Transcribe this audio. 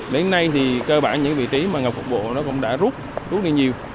đến nay thì cơ bản những vị trí mà ngập phục vụ nó cũng đã rút rút đi nhiều